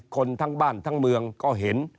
คนทั้งบ้านทั้งเมืองก็เห็น